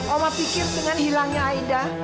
oma pikir dengan hilangnya aida